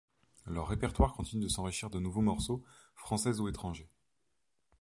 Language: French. Leur répertoire continue de s'enrichir de nouveaux morceaux, français ou étrangers.